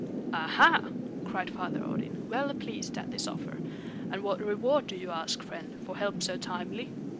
"Aha!" cried Father Odin, well pleased at this offer. "And what reward do you ask, friend, for help so timely?"